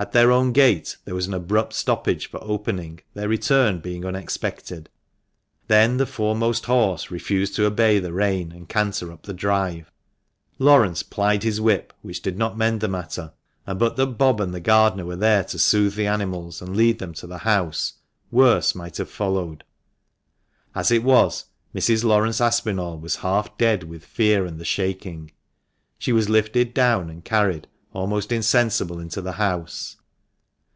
At their own gate there was an abrupt stoppage for opening, their return being unexpected. Then the foremost horse refused to obey the rein and canter up the drive. Laurence plied his whip, which did not mend the matter, and but that Bob and the gardener were there to soothe the animals, and lead them to the house, worse might have followed. As it was, Mrs. Laurence Aspinall was half dead with fear and the shaking. She was lifted down and carried, almost insensible, into the house.